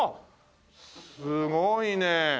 すごいね。